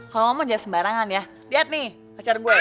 kalau ngomong jangan sembarangan ya lihat nih pacar gue